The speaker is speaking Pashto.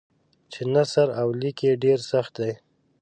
چې نثر او لیک یې ډېر سخت دی.